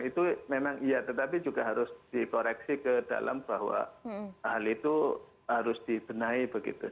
itu memang iya tetapi juga harus dikoreksi ke dalam bahwa hal itu harus dibenahi begitu